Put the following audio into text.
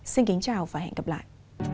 xin kính chào và hẹn gặp lại